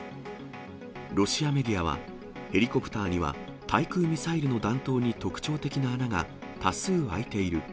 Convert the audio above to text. ロシアメディアは、ヘリコプターには対空ミサイルの弾頭に特徴的な穴が多数開いている。